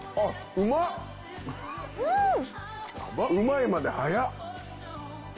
「うまい」まで早っ。